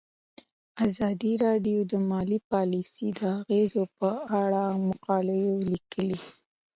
ازادي راډیو د مالي پالیسي د اغیزو په اړه مقالو لیکلي.